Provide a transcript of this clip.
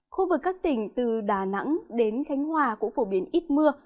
khu vực các tỉnh từ đà nẵng đến khánh hòa cũng phổ biến ít mưa